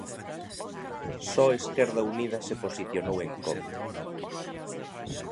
Só Esquerda Unida se posicionou en contra.